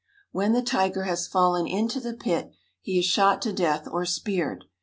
When the tiger has fallen into the pit, he is shot to death or speared.